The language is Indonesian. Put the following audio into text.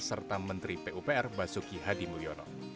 serta menteri pupr basuki hadi mulyono